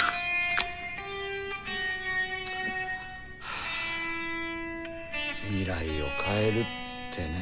はあ未来を変えるってね。